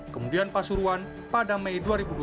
kemudian pasuruan pada mei dua ribu dua puluh